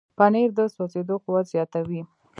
پنېر د سوځېدو قوت زیاتوي.